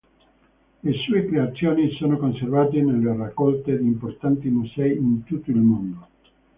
Le sue creazioni sono conservate nelle raccolte di importanti musei in tutto il mondo.